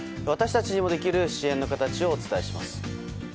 私たちにもできる支援の形をお伝えします。